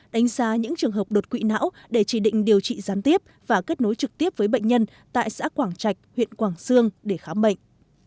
đánh giá những trường hợp đột quỵ não để chỉ định điều trị gián tiếp và kết nối trực tiếp với bệnh nhân tại xã quảng trạch huyện quảng sương để khám bệnh